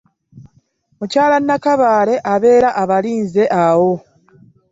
Mukyala Nakabaale abeera abalinze awo.